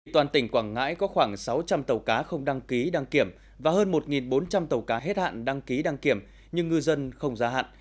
toàn tỉnh quảng ngãi có khoảng sáu trăm linh tàu cá không đăng ký đăng kiểm và hơn một bốn trăm linh tàu cá hết hạn đăng ký đăng kiểm nhưng ngư dân không ra hạn